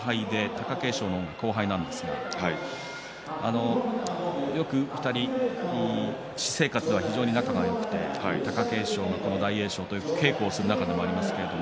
貴景勝が後輩なのですがよく２人は私生活では非常に仲がよくて貴景勝が大栄翔と稽古する仲でもあります。